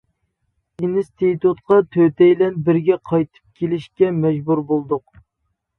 ئىنستىتۇتقا تۆتەيلەن بىرگە قايتىپ كېلىشكە مەجبۇر بولدۇق.